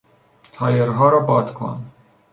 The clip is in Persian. تایرها را باد کن.